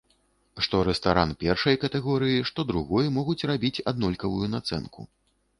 Што рэстаран першай катэгорыі, што другой могуць рабіць аднолькавую нацэнку.